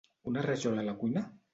Una rajola a la cuina?